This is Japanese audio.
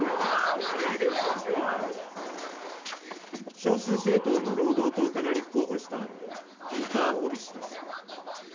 少数政党の労働党から立候補したピーター・オビ氏です。